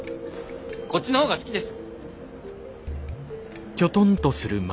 こっちの方が好きです。